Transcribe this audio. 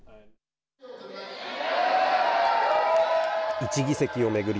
１議席を巡り